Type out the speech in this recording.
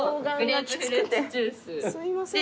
すいませんね。